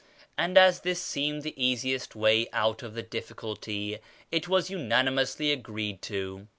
And as this seemed the easiest way out of the difficulty, it was unanimously agreed to.